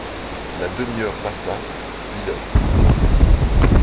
La demi-heure passa, puis l'heure.